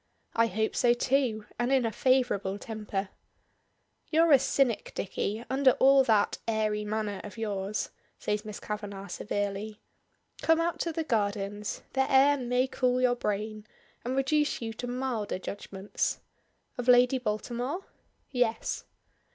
"I hope so too and in a favorable temper." "You're a cynic, Dicky, under all that airy manner of yours," says Miss Kavanagh severely. "Come out to the gardens, the air may cool your brain, and reduce you to milder judgments." "Of Lady Baltimore?" "Yes."